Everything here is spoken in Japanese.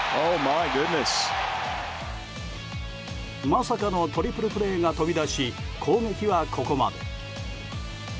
まさかのトリプルプレーが飛び出し攻撃はここまで。